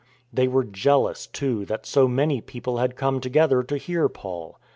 They were jealous, too, that so many people had come together to hear Paul.